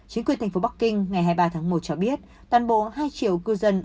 chính quyền tp bắc kinh ngày hai mươi ba tháng một cho biết toàn bộ hai triệu cư dân